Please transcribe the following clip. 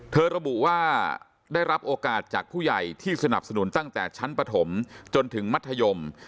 ระบุว่าได้รับโอกาสจากผู้ใหญ่ที่สนับสนุนตั้งแต่ชั้นปฐมจนถึงมัธยม